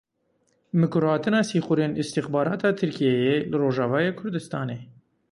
Mikurhatina sîxurên Îstixbarata Tirkiyeyê li Rojavayê Kurdistanê.